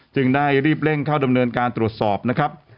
จึงได้รีบเร่งเข้าดำเนินการตรวจสอบนะครับ